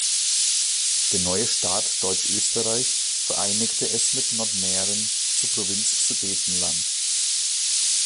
Der neue Staat Deutschösterreich vereinigte es mit Nordmähren zur Provinz Sudetenland.